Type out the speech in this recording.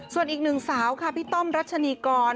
ส่วนอีกหนึ่งสาวค่ะพี่ต้อมรัชนีกร